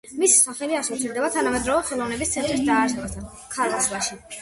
მისი სახელი ასოცირდება თანამედროვე ხელოვნების ცენტრის დაარსებასთან „ქარვასლაში“.